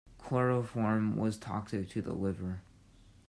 Chloroform was toxic to the liver.